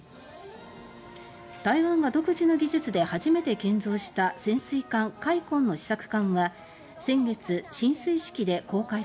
台湾が独自の技術で初めて建造した潜水艦「海鯤」の試作艦は先月進水式で公開されました。